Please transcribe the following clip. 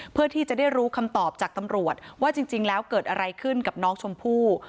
เพื่อที่จะได้รู้คำตอบจากตำรวจว่าจริงแล้วเกิดอะไรขึ้นกับน้องชมพู่